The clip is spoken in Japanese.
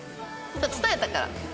僕も伝えたから。